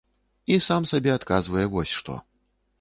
І сам сабе адказвае вось што.